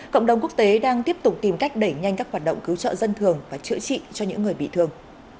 cộng đồng quốc tế đang tiếp tục tìm cách đẩy nhanh các hoạt động cứu trợ dân thường và chữa trị cho những người bị thương